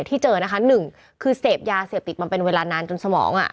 ที่เจอนะคะหนึ่งคือเสพยาเสพติดมาเป็นเวลานานจนสมองอ่ะ